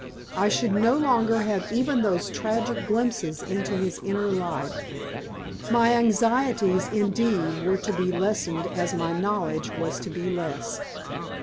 I should no longer have even those tragic glimpses into his inner life. My anxieties, indeed, were to be lessened as my knowledge was to be less.